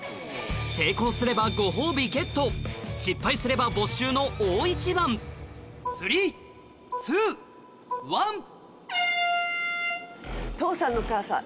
成功すればご褒美ゲット失敗すれば没収の大一番父さんの母さん。